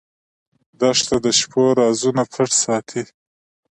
دښته د شپو رازونه پټ ساتي.